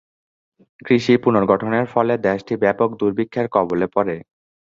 কৃষি পুনর্গঠনের ফলে দেশটি ব্যাপক দুর্ভিক্ষের কবলে পড়ে।